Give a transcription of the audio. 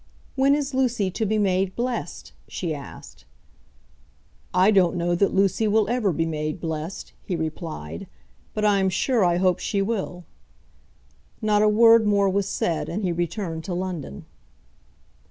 "When is Lucy to be made blessed?" she asked. "I don't know that Lucy will ever be made blessed," he replied, "but I am sure I hope she will." Not a word more was said, and he returned to London.